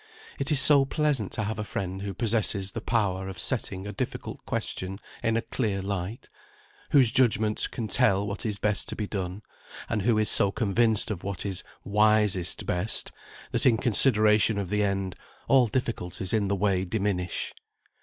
It is so pleasant to have a friend who possesses the power of setting a difficult question in a clear light; whose judgment can tell what is best to be done; and who is so convinced of what is "wisest, best," that in consideration of the end, all difficulties in the way diminish.